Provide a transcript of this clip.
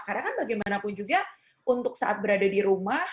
karena kan bagaimanapun juga untuk saat berada di rumah